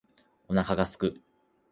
お腹が空く